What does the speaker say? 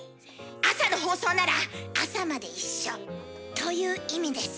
朝の放送なら朝まで一緒という意味です。